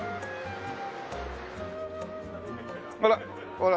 ほら。